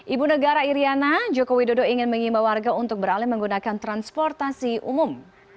ibu negara iryana joko widodo ingin mengimba warga untuk beralih menggunakan transportasi umum